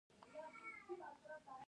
چهارمغز د کاپیسا نښه ده.